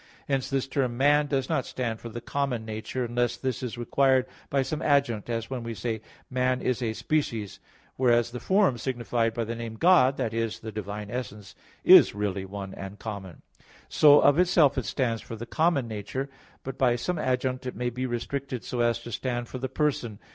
Hence this term "man" does not stand for the common nature, unless this is required by some adjunct, as when we say, "man is a species"; whereas the form signified by the name "God" that is, the divine essence is really one and common. So of itself it stands for the common nature, but by some adjunct it may be restricted so as to stand for the person.